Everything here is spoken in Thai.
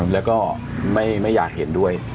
แล้วก็ไม่อยากเห็นด้วย